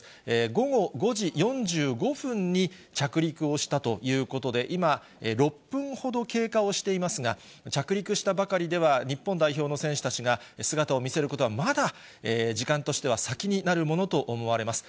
午後５時４５分に着陸をしたということで、今、６分ほど経過をしていますが、着陸したばかりでは、日本代表の選手たちが姿を見せることは、まだ時間としては先になるものと思われます。